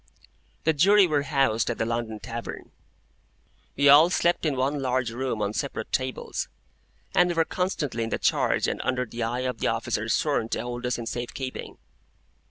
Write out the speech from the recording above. The Jury were housed at the London Tavern. We all slept in one large room on separate tables, and we were constantly in the charge and under the eye of the officer sworn to hold us in safe keeping.